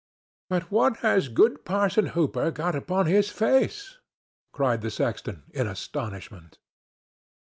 "But what has good Parson Hooper got upon his face?" cried the sexton, in astonishment.